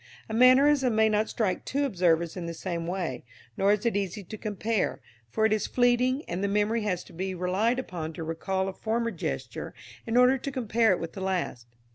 A mannerism may not strike two observers in the same way, nor is it easy to compare, for it is fleeting, and the memory has to be relied upon to recall a former gesture in order to compare it with the last.